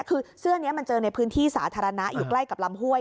คือเสื้อนี้มันเจอในพื้นที่สาธารณะอยู่ใกล้กับลำห้วย